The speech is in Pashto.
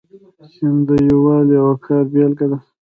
چین د یووالي او کار بیلګه ده.